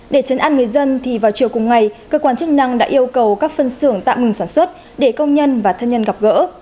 để chấn an người dân thì vào chiều cùng ngày cơ quan chức năng đã yêu cầu các phân xưởng tạm ngừng sản xuất để công nhân và thân nhân gặp gỡ